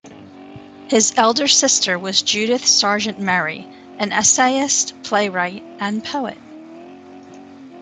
His elder sister was Judith Sargent Murray, an essayist, playwright, and poet.